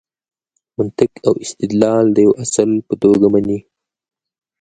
منطق او استدلال د یوه اصل په توګه مني.